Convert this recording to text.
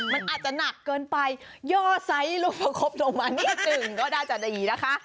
มันอาจจะหนักเกินไปย่อไซส์ลงประคบลงมานิดหนึ่งก็น่าจะดีนะคะ